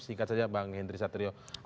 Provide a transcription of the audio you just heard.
singkat saja bang henry satrio